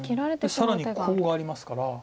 更にコウがありますから。